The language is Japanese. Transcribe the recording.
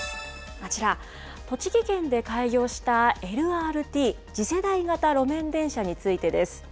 あちら、栃木県で開業したＬＲＴ・次世代型路面電車についてです。